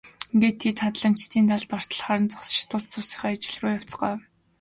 Ингээд тэд хадланчдыг далд ортол харан зогсож тус тусынхаа ажил руу явцгаав.